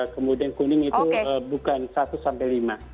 kemudian kuning itu bukan satu sampai lima